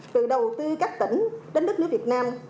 từ đầu tư các tỉnh đến đất nước việt nam